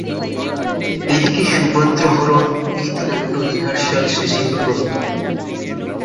এ দিকে সুভদ্রাহরণ গীতিনাট্য রিহার্শালশেষে প্রস্তুত।